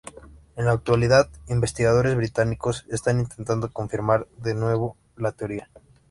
En la actualidad, investigadores británicos están intentando confirmar, de nuevo, la Teoría.